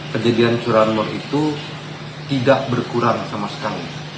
kejadian curanmor itu tidak berkurang sama sekali